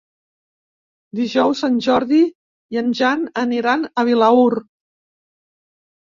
Dijous en Jordi i en Jan aniran a Vilaür.